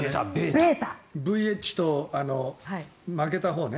ＶＨＳに負けたほうね。